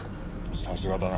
さすがだな。